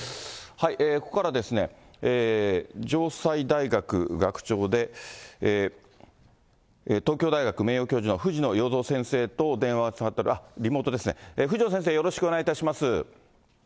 ここからは、城西大学学長で、東京大学名誉教授の藤野陽三先生とリモートですね、藤野先生、よろしくお願いいたします。